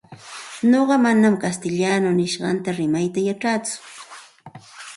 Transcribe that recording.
Nuqa manam kastilla rimayta yachatsu.